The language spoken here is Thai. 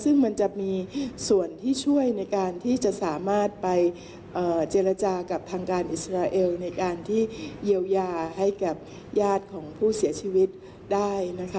ซึ่งมันจะมีส่วนที่ช่วยในการที่จะสามารถไปเจรจากับทางการอิสราเอลในการที่เยียวยาให้กับญาติของผู้เสียชีวิตได้นะคะ